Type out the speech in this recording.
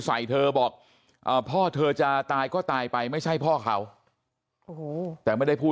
ใส่เธอบอกพ่อเธอจะตายก็ตายไปไม่ใช่พ่อเขาแต่ไม่ได้พูด